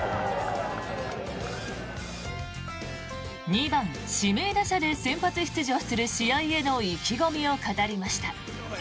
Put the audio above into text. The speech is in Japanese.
２番指名打者で先発出場する試合への意気込みを語りました。